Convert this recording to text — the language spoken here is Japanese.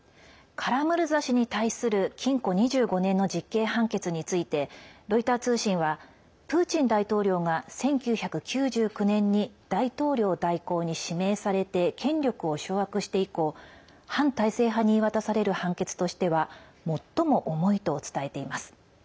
カラムルザ氏に対する禁錮２５年の実刑判決についてロイター通信はプーチン大統領が１９９９年に大統領代行に指名されて権力を掌握して以降反体制派に言い渡される判決としては最も重いと伝えています。